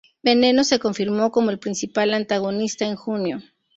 Veneno se confirmó como el principal antagonista en junio.